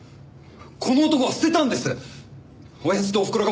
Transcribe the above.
この男は捨てたんです！